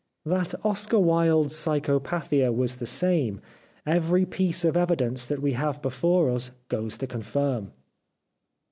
That Oscar Wilde's psycho pathia was the same, every piece of evidence that we have before us goes to confirm.